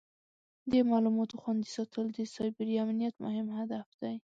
د معلوماتو خوندي ساتل د سایبري امنیت مهم هدف دی.